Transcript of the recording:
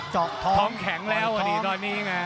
จอกท้องท้องแข็งแล้วตอนนี้นะ